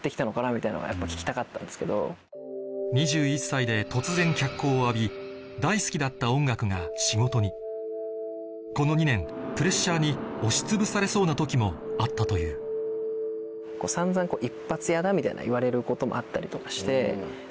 ２１歳で突然脚光を浴びこの２年プレッシャーに押しつぶされそうな時もあったという散々「一発屋だ」みたいな言われることもあったりとかして。